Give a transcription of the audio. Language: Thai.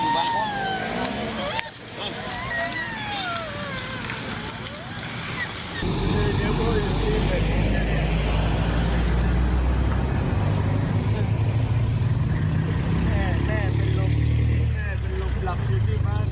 พ่อแข็งใจจริงค่ะค่ะ